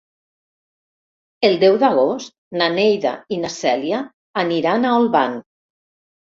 El deu d'agost na Neida i na Cèlia aniran a Olvan.